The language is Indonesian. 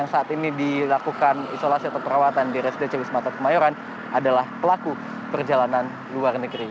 yang saat ini dilakukan isolasi atau perawatan di rsdc wisma atlet kemayoran adalah pelaku perjalanan luar negeri